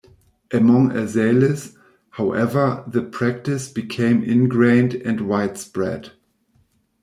Among Azalis, however, the practice became ingrained and widespread.